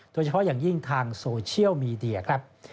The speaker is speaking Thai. โดยเฉพาะอย่างยิ่งทางโซเชียลมีเดียครับ